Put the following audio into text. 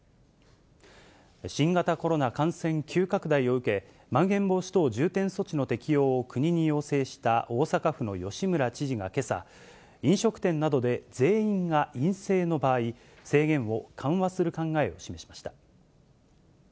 新型コロナ感染急拡大を受け、まん延防止等重点措置の適用を国に要請した大阪府の吉村知事がけさ、飲食店などで全員が陰性の場合、制限を緩和する考えを示しました。